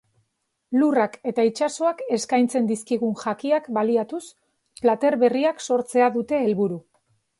Lurrak eta itsasoak eskaintzen dizkigun jakiak baliatuz, plater berriak sortzea dute helburu.